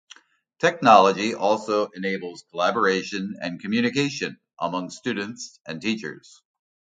Technology also enables collaboration and communication among students and teachers.